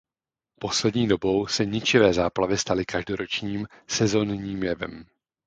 Poslední dobou se ničivé záplavy staly každoročním, sezónním jevem.